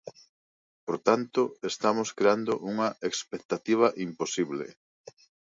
Por tanto, estamos creando unha expectativa imposible.